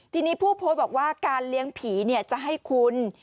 ทีนี้ผู้โพสต์บอกว่าการเลี้ยงผีจะให้คุณ